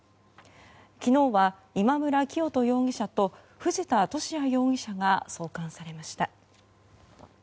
昨日は今村磨人容疑者と藤田聖也容疑者が送還されました。